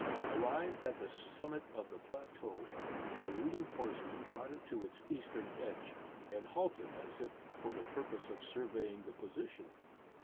Arrived at the summit of the plateau, the leading horseman trotted to its eastern edge, and halted as if for the purpose of surveying the position.